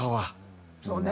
そうね。